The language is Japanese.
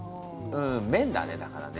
めんだねだからね。